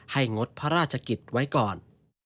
งดพระราชกิจไว้ก่อน